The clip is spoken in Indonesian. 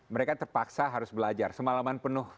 mereka terpaksa harus belajar semalaman penuh